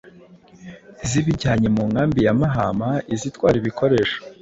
zibijyanye mu nkambi ya Mahama, izitwara ibikoresho